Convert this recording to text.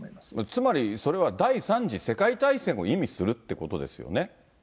つまり、それは第３次世界大戦を意味するってことですよね。